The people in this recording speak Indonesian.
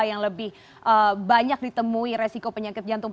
yang lebih banyak ditemui resiko penyakit jantung